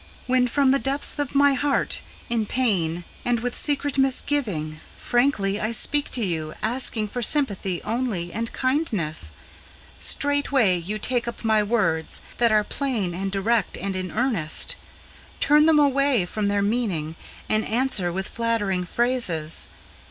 When from the depths of my heart, in pain and with secret misgiving, Frankly I speak to you, asking for sympathy only and kindness, Straightway you take up my words, that are plain and direct and in earnest, Turn them away from their meaning, and answer with flattering phrases.